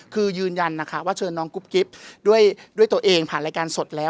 คือยืนยันนะคะว่าเชิญน้องกุ๊บกิ๊บด้วยตัวเองผ่านรายการสดแล้ว